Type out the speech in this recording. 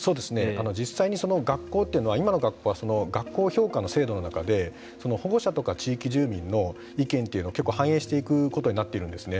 実際に学校というのは今の学校は学校評価の制度の中で保護者とか地域住民の意見というのを結構反映していくことになっているんですね。